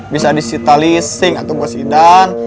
bisa di sita leasing atau bos idan